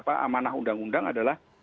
amanah undang undang adalah